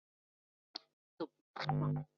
电荷密度也可能会跟位置有关。